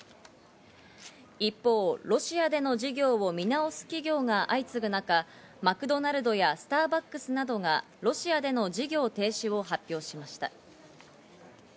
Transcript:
一方、ロシアでの事業を見直す企業が相次ぐ中、マクドナルドやスターバックスなどがロシアでの事業停止を発表しました。